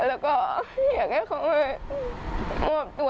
แล้วก็อยากให้เขามอบตัว